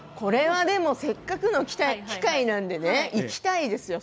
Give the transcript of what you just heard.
せっかくの機会なのでいきたいですよ。